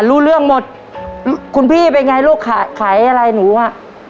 รู้เรื่องหมดคุณพี่เป็นไงลูกขายขายอะไรหนูอ่ะ